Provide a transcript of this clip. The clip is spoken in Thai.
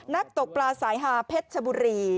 ตกปลาสายฮาเพชรชบุรี